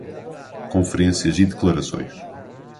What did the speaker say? Conferências e declarações